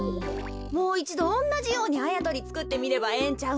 もういちどおんなじようにあやとりつくってみればええんちゃうの？